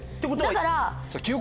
だから。